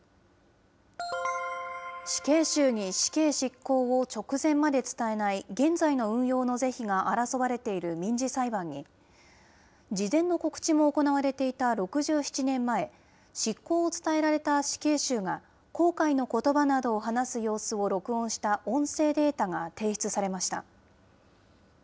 死刑囚に死刑執行を直前まで伝えない現在の運用の是非が争われている民事裁判に、事前の告知も行われていた６７年前、執行を伝えられた死刑囚が、後悔のことばなどを話す様子を録音した音声データが提出されました。